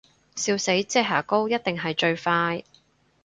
笑死，遮瑕膏一定係最快